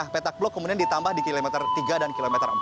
petak blok kemudian ditambah di kilometer tiga dan kilometer empat